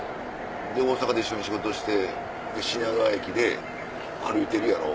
で大阪で一緒に仕事して品川駅で歩いてるやろ。